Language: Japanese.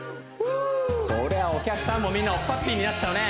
これはお客さんもみんなおっぱっぴーになっちゃうね